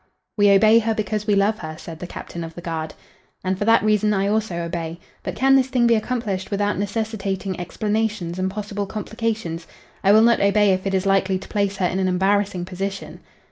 "We obey her because we love her," said the captain of the guard. "And for that reason, I also obey. But can this thing be accomplished without necessitating explanations and possible complications? I will not obey if it is likely to place her in an embarrassing position."